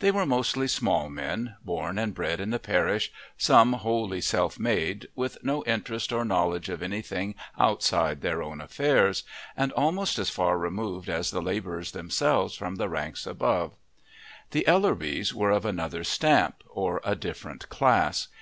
They were mostly small men, born and bred in the parish, some wholly self made, with no interest or knowledge of anything outside their own affairs, and almost as far removed as the labourers themselves from the ranks above. The Ellerbys were of another stamp, or a different class.